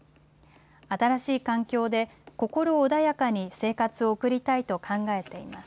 新しい環境で、心穏やかに生活を送りたいと考えています。